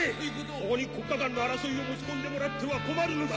ここに国家間の争いを持ち込んでもらっては困るのだ。